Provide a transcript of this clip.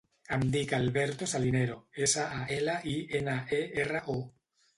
Em dic Alberto Salinero: essa, a, ela, i, ena, e, erra, o.